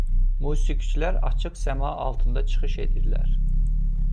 Musiqiçilər açıq səma altında çıxış edirlər.